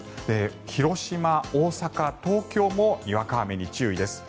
広島、大阪、東京もにわか雨に注意です。